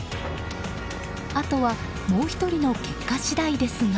あとは、もう１人の結果次第ですが。